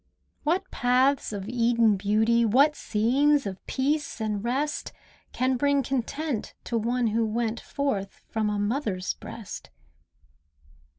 What paths of Eden beauty, What scenes of peace and rest, Can bring content to one who went Forth from a mother's breast?